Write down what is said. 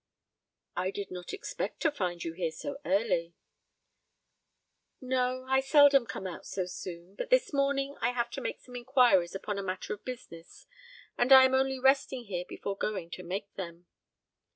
"I did not expect to find you here so early." "No, I seldom come out so soon; but this morning I have to make some inquiries upon a matter of business, and I am only resting here before going to make them."